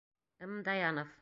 М. ДАЯНОВ.